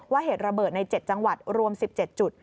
เหตุระเบิดใน๗จังหวัดรวม๑๗จุด